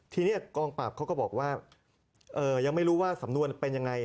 เขาก็บอกว่ายังไม่รู้ว่าสำนวนเป็นยังไง